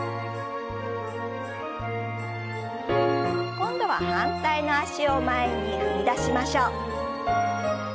今度は反対の脚を前に踏み出しましょう。